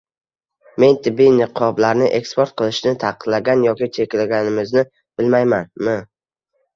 Men tibbiy niqoblarni eksport qilishni taqiqlagan yoki cheklaganimizni bilmaymanmi?